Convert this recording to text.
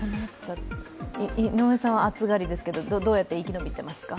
井上さんは暑がりですけど、どうやって生き延びてますか。